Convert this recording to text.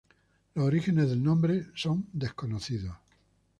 Los orígenes del nombre son desconocidos.